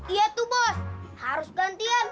iya tuh bos harus gantian